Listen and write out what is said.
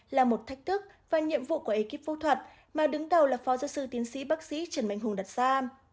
là một thách thức và nhiệm vụ của ekip phẫu thuật mà đứng đầu là phó giáo sư tiến sĩ bác sĩ trần mạnh hùng đặt ra